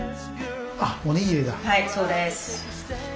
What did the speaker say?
はいそうです！